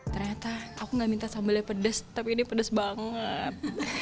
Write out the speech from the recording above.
ternyata aku nggak minta sambalnya pedes tapi ini pedas banget